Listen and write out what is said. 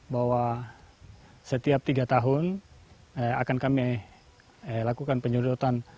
bahwa setiap tiga tahun akan kami lakukan penyudotan